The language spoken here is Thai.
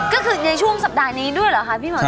ก็คือในช่วงสัปดาห์นี้ด้วยเหรอคะพี่หอย